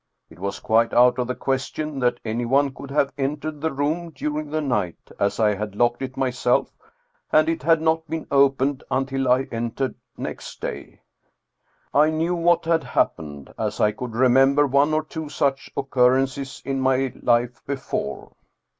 It was quite out of the question that anyone could have entered the room during the night, as I had locked it myself, and it had not been opened until I entered next day. I knew what had happened, as I could remember one or two such occurrences in my life before.